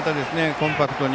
コンパクトに。